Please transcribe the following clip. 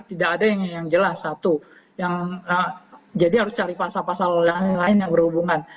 tidak ada yang jelas satu yang jadi harus cari pasal pasal lain yang berhubungan